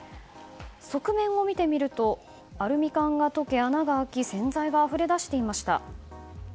側面を見てみるとアルミ缶が溶け、穴が開き洗剤があふれ出していました。